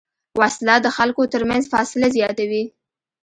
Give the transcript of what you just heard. وسله د خلکو تر منځ فاصله زیاتوي